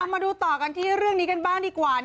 มาดูต่อกันที่เรื่องนี้กันบ้างดีกว่า